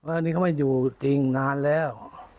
อันนี้เขาไม่อยู่จริงนานแล้ว